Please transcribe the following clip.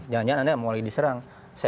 jangan jangan anda mulai diserang